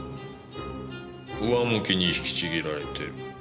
上向きに引きちぎられてる。